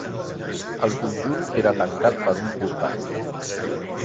El conjunt queda tancat per un portal.